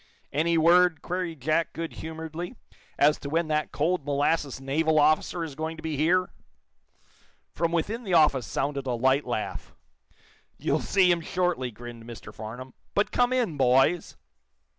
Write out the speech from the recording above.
"Any word," queried Jack, good humoredly, "as to when that cold molasses naval officer is going to be here!" From within the office sounded a light laugh. "You'll see him shortly," grinned Mr. Farnum. "But come in, boys."